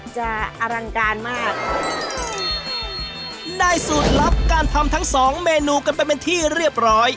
อลังการมากได้สูตรลับการทำทั้งสองเมนูกันไปเป็นที่เรียบร้อย